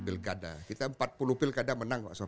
pilkada kita empat puluh pilkada menang sama